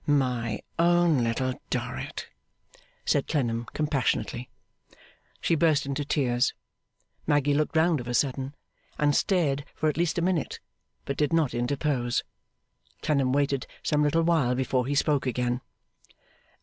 'My own Little Dorrit,' said Clennam, compassionately. She burst into tears. Maggy looked round of a sudden, and stared for at least a minute; but did not interpose. Clennam waited some little while before he spoke again.